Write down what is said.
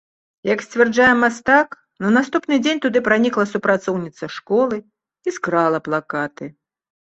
Як сцвярджае мастак, на наступны дзень туды пранікла супрацоўніца школы і скрала плакаты.